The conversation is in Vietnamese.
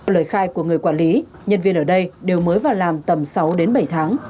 lời khai của người quản lý nhân viên ở đây đều mới vào làm tầm sáu đến bảy tháng